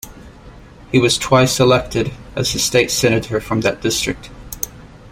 He was twice elected as a state senator from that district.